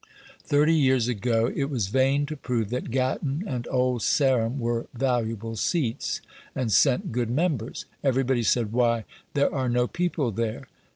Thirty years ago it was vain to prove that Gatton and Old Sarum were valuable seats, and sent good members. Everybody said, "Why, there are no people there".